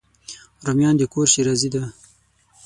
رومیان د کور ښېرازي ده